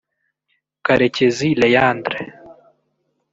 Karekezi Leandre